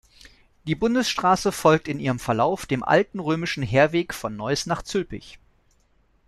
Die Bundesstraße folgt in ihrem Verlauf dem alten römischen Heerweg von Neuss nach Zülpich.